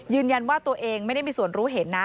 ยืนยันว่าตัวเองไม่ได้มีส่วนรู้เห็นนะ